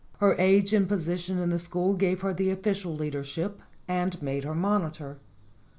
Her age and position in the school gave her the official leadership and made her monitor.